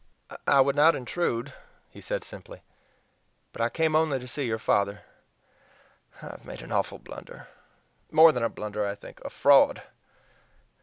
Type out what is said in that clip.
"I would not intrude," he said simply, "but I came only to see your father. I have made an awful blunder more than a blunder, I think a FRAUD.